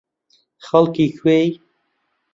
خەڵکی کوێی؟